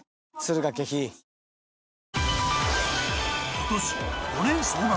今年５年総額